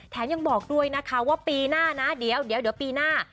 ยังบอกด้วยนะคะว่าปีหน้านะเดี๋ยวปีหน้า